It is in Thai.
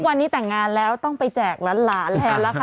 ทุกวันนี้แต่งงานแล้วต้องไปแจกร้านหลานแล้วค่ะ